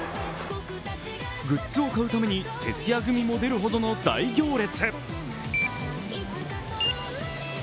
グッズを買うために徹夜組も出るほどの大行列。